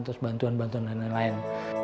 terus bantuan bantuan dan lain lain